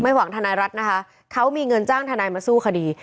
หวังทนายรัฐนะคะเขามีเงินจ้างทนายมาสู้คดี